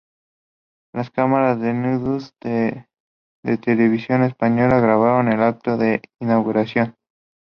Las cámaras del No-Do de Televisión Española grabaron el acto de inauguración.